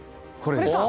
これです。